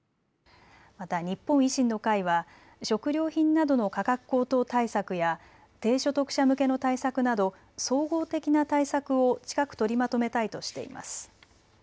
また日本維新の会は食料品などの価格高騰対策や低所得者向けの対策など総合的な対策を近く取りまとめたいとしています。